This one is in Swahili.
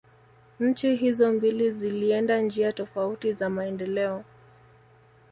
Nchi hizo mbili zilienda njia tofauti za maendeleo